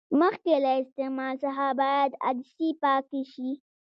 مخکې له استعمال څخه باید عدسې پاکې شي.